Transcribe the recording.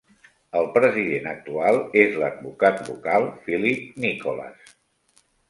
El president actual és l'advocat local Philip Nicholas.